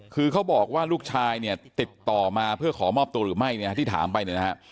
คือเขาบอกว่าลูกชายเนี่ยติดต่อมาเพื่อขอมอบตัวหรือไม่เนี่ยที่ถามไปเนี่ยนะฮะ